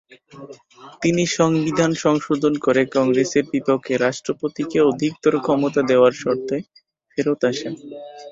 তিনি সংবিধান সংশোধন করে কংগ্রেসের বিপক্ষে রাষ্ট্রপতিকে অধিকতর ক্ষমতা দেয়ার শর্তে ফেরত আসেন।